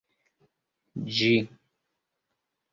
ĝi